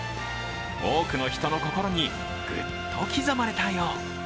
多くの人の心にぐっと刻まれたよう。